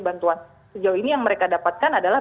bantuan sejauh ini yang mereka dapatkan adalah